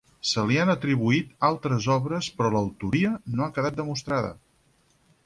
Se li han atribuït altres obres però l'autoria no ha quedat demostrada.